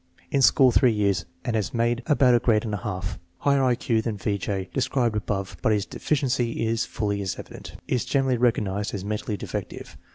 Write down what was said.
In school three years and has made about a grade and a half. Has higher I Q than V. J. described above, but his deficiency is fully as evident. Is gener ally recognized as mentally defective.